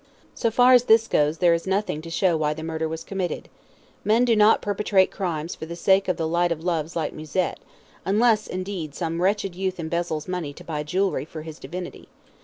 So far as this goes there is nothing to show why the murder was committed. Men do not perpetrate crimes for the sake of light o' loves like Musette, unless, indeed, some wretched youth embezzles money to buy jewellery for his divinity.